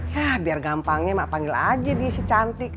ya biar gampangnya emak panggil aja dia sih cantik